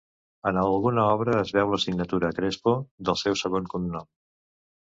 En alguna obra es veu la signatura Crespo, del seu segon cognom.